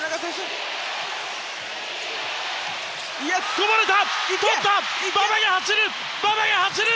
こぼれた！